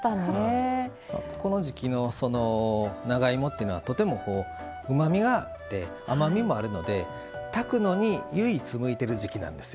この時季の長芋というのはとてもうまみがあって甘みもあるので炊くのに唯一向いてる時季なんですよ。